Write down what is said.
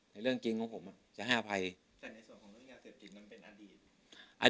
ในเรื่องจริงของผมจะให้อภัยอีก